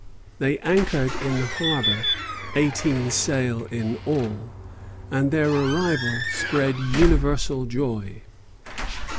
They anchored in the harbor, eighteen sail in all, and their arrival spread universal joy.